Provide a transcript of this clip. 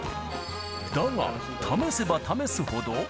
だが、試せば試すほど。